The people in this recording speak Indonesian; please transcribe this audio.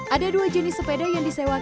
ada dua jenis sepeda yang disewakan